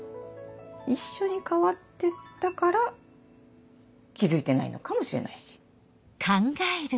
一緒に変わってったから気付いてないのかもしれないし。